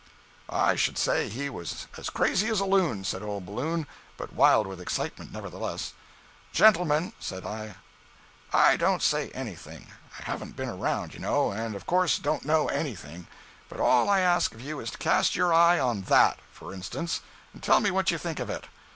"I should say he was as crazy as a loon!" said old Ballou, but wild with excitement, nevertheless. "Gentlemen," said I, "I don't say anything—I haven't been around, you know, and of course don't know anything—but all I ask of you is to cast your eye on that, for instance, and tell me what you think of it!"